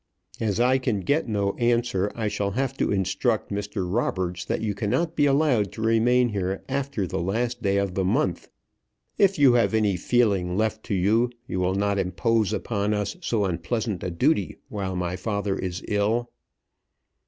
"As I can get no answer I shall have to instruct Mr. Roberts that you cannot be allowed to remain here after the last day of the month. If you have any feeling left to you you will not impose upon us so unpleasant a duty while my father is ill."